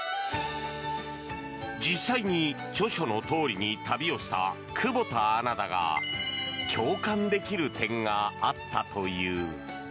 実際に著書のとおりに旅をした久保田アナだが共感できる点があったという。